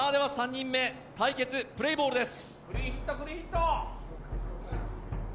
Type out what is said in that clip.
３人目、対決、プレーボールです。